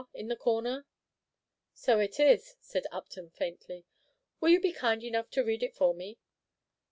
in the corner?" "So it is," said Upton, faintly. "Will you be kind enough to read it for me?"